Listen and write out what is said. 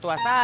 ya udah kang